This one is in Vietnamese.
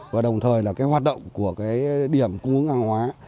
và đồng thời là cái hoạt động của cái điểm cung ứng hàng hóa